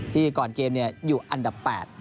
ที่ก่อนเกมเนี้ยอยู่อันดับ๘